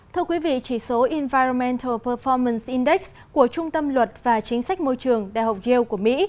thưa quý vị chỉ số environmental performance index của trung tâm luật và chính sách môi trường đại học yale của mỹ